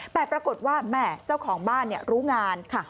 แต่ปรากฏว่าแม่เจ้าของบ้านรู้งาน